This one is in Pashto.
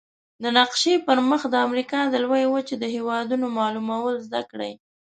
د نقشي پر مخ د امریکا د لویې وچې د هېوادونو معلومول زده کړئ.